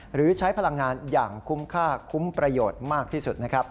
หรือใช้พลังงานอย่างคุ้มค่าคุ้มประโยชน์มากที่สุดนะครับ